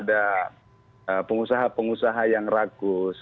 ada pengusaha pengusaha yang ragus